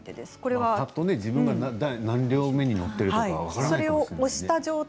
ぱっと自分が何両目に乗っているか分からないですよね。